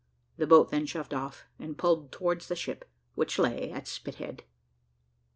The boat then shoved off, and pulled towards the ship, which lay at Spithead.